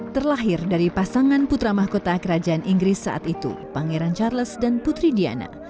terlahir dari pasangan putra mahkota kerajaan inggris saat itu pangeran charles dan putri diana